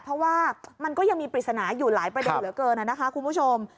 เพราะว่ามันก็ยังมีปริศนาอยู่หลายประเด็นเหลือเกินนะคะคุณผู้ชม